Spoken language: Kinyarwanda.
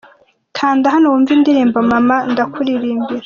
Kanda hano wumve indirimbo mama Ndakuririmbira.